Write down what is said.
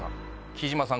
貴島さん